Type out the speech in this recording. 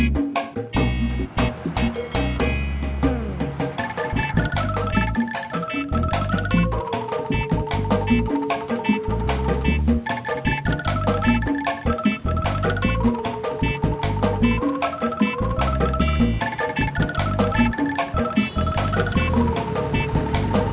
masih gak enak badan katanya